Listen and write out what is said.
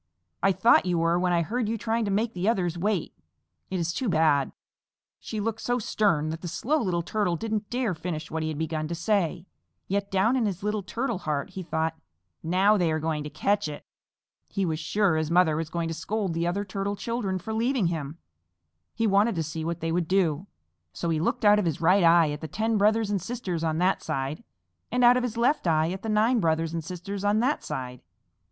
"I thought you were when I heard you trying to make the others wait. It is too bad." She looked so stern that the Slow Little Turtle didn't dare finish what he had begun to say, yet down in his little Turtle heart he thought, "Now they are going to catch it!" He was sure his mother was going to scold the other Turtle children for leaving him. He wanted to see what they would do, so he looked out of his right eye at the ten brothers and sisters on that side, and out of his left eye at the nine brothers and sisters on that side.